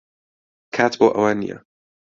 کات بۆ ئەوە نییە.